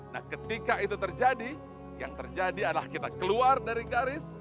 nah ketika itu terjadi yang terjadi adalah kita keluar dari garis